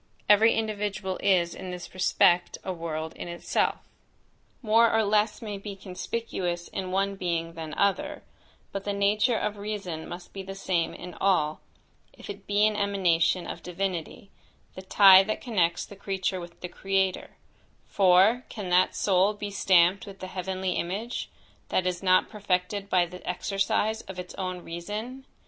Every individual is in this respect a world in itself. More or less may be conspicuous in one being than other; but the nature of reason must be the same in all, if it be an emanation of divinity, the tie that connects the creature with the Creator; for, can that soul be stamped with the heavenly image, that is not perfected by the exercise of its own reason?